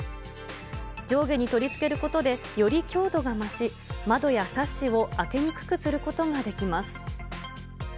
上下に取りつけることでより強度が増し、窓やサッシを開けにくくすることができます。